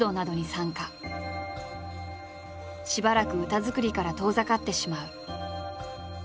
しばらく歌作りから遠ざかってしまう。